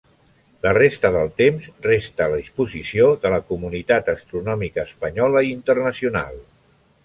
La resta del temps resta a disposició de la comunitat astronòmica espanyola i internacional.